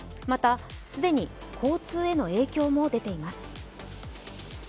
また、既に交通への影響も出ています。